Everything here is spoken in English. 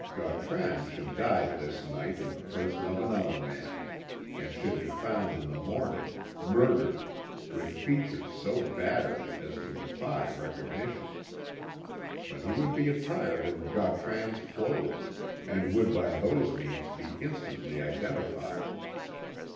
Gautran should die this night in the person of another man, and should be found in the morning, murdered, with features so battered as to defy recognition. But he would be attired in Gautran's clothes, and would by those means be instantly identified.